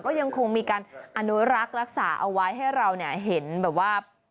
ก็ยังคงมีการอนุรักษ์รักษาเอาไว้ให้เราเนี่ยเห็นแบบว่า